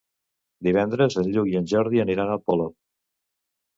Divendres en Lluc i en Jordi aniran a Polop.